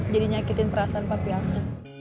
jadi nyakitin perasaan papi aku